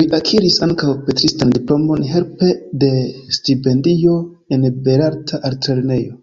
Li akiris ankaŭ pentristan diplomon helpe de stipendio en Belarta Altlernejo.